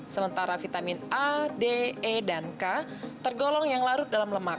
sementara vitamin a d e dan k tergolong yang larut dalam lemak